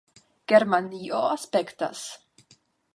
Germanio aspektas